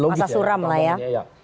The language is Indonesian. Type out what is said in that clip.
masa suram lah ya